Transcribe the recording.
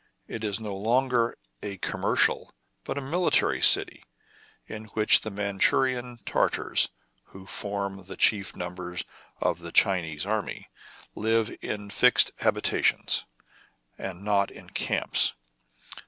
It is no longer a commercial, but a military city, in which the Mandshurian Tar tars, who form the chief number of the Chinese army, live in fixed habitations, and not in camps.